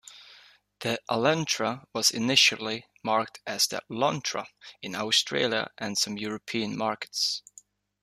The Elantra was initially marketed as the "Lantra" in Australia and some European markets.